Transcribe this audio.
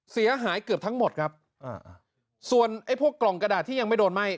เสียหายเกือบทั้งหมดครับอ่าส่วนไอ้พวกกล่องกระดาษที่ยังไม่โดนไหม้